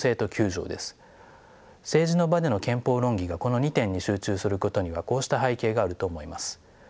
政治の場での憲法論議がこの２点に集中することにはこうした背景があると思います。